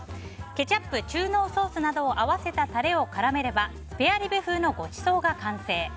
ケチャップ、中濃ソースなどを合わせたタレを絡めればスペアリブ風のごちそうが完成。